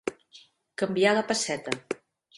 Canviar la pesseta.